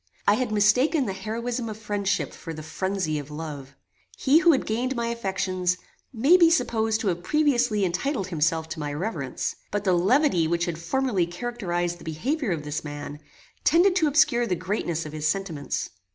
I had mistaken the heroism of friendship for the phrenzy of love. He who had gained my affections, may be supposed to have previously entitled himself to my reverence; but the levity which had formerly characterized the behaviour of this man, tended to obscure the greatness of his sentiments.